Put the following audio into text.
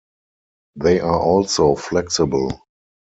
They are also flexible.